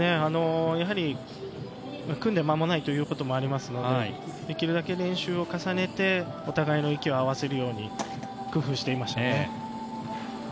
やはり組んで間もないということもありますのでできるだけ練習を重ねてお互いの息を合わせるように工夫していましたね。